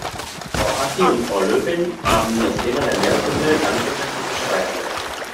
Frau Hassi und Frau Lövin haben das Thema der Meeresumwelt, Landwirtschaft und Fischerei erwähnt.